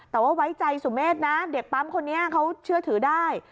แต่ว่าไว้ใจสุเมฆนะเด็กปั๊มคนนี้เขาเชื่อถือได้